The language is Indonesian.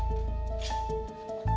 dek aku mau ke sana